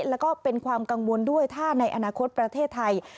แล้วก็เป็นความกังวลด้วยถ้าในอนาคตประเทศไทย